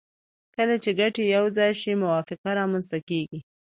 کله چې ګټې یو ځای شي موافقه رامنځته کیږي